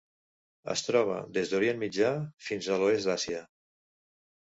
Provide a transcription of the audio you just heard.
Es troba des d'Orient Mitjà fins a l'oest d'Àsia.